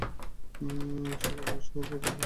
সেচ আধুনিক সময়ে উৎপাদন ব্যাপকভাবে প্রসারিত করেছে।